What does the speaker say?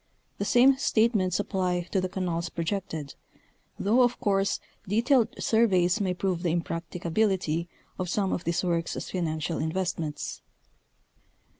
The same statements apply to the canals pro jected, though of course detailed surveys may prove the imprac ticability of some of these works as financial investments.